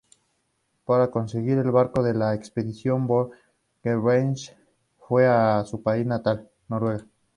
Para conseguir el barco de la expedición, Borchgrevink fue a su país natal, Noruega.